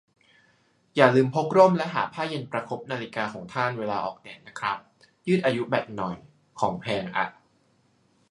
อย่าลืมพกร่มและหาผ้าเย็นประคบนาฬิกาของท่านเวลาออกแดดนะครับ ยืดอายุแบตหน่อย ของแพงอ่ะ